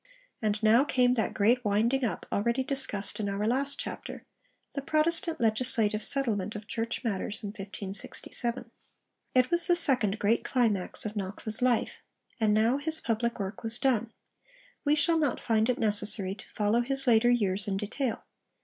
And now came that great winding up already discussed in our last chapter, the Protestant legislative settlement of Church matters in 1567. It was the second great climax of Knox's life; and now his public work was done. We shall not find it necessary to follow his later years in detail.